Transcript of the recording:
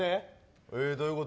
へえ、どういうこと？